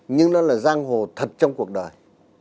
nhưng nó là giang hồ thật trong cuộc đời